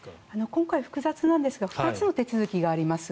今回、複雑なんですが２つの手続きがあります。